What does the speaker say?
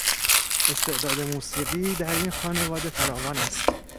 استعداد موسیقی در این خانواده فراوان است.